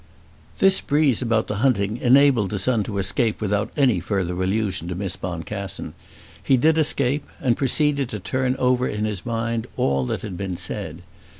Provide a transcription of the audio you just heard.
This breeze about the hunting enabled the son to escape without any further allusion to Miss Boncassen. He did escape, and proceeded to turn over in his mind all that had been said.